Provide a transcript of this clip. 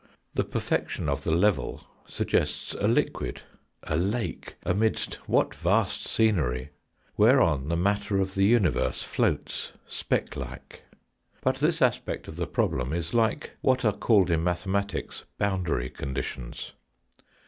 The perfection of the level suggests a liquid a lake amidst what vast scenery ! whereon the matter of the universe floats speck like. But this aspect of the problem is like what are called in mathematics boundary conditions.